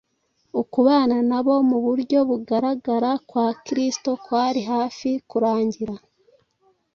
Ukubana nabo mu buryo bugaragara kwa Kristo kwari hafi kurangira,